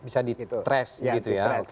bisa di trash gitu ya